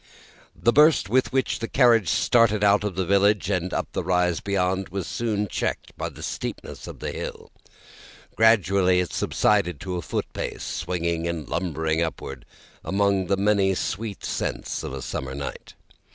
The burst with which the carriage started out of the village and up the rise beyond, was soon checked by the steepness of the hill. Gradually, it subsided to a foot pace, swinging and lumbering upward among the many sweet scents of a summer night.